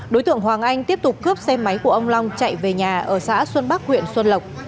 đối tượng hoàng anh tiếp tục cướp xe máy của ông long chạy về nhà ở xã xuân bắc huyện xuân lộc